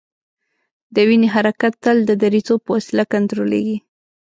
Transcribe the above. د وینې حرکت تل د دریڅو په وسیله کنترولیږي.